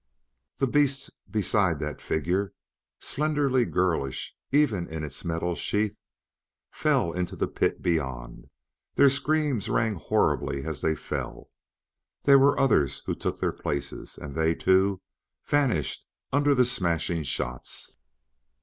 The beasts beside that figure, slenderly girlish even in its metal sheath, fell into the pit beyond; their screams rang horribly as they fell. There were others who took their places, and they, too, vanished under the smashing shots.